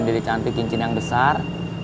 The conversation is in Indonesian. dari cantik cincin yang besar